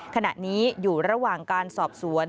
ขณะนี้อยู่ระหว่างการสอบสวน